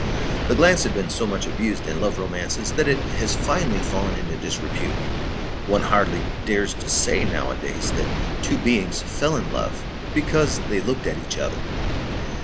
The glance has been so much abused in love romances that it has finally fallen into disrepute. One hardly dares to say, nowadays, that two beings fell in love because they looked at each other.